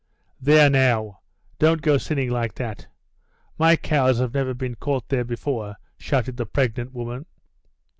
"There, now, don't go sinning like that; my cows have never been caught there before," shouted the pregnant woman.